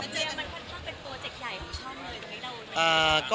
มันค่อนข้างเป็นโปรเจคใหญ่ของช่องเลยนะครับ